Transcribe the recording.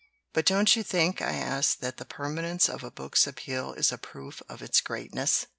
"But don't you think," I asked, "that the per manence of a book's appeal is a proof of its great ness?"